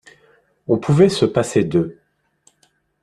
On pouvait se passer d’eux.